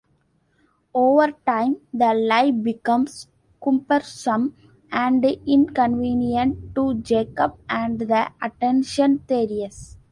Over time, the lie becomes cumbersome and inconvenient to Jacob, and the attention tedious.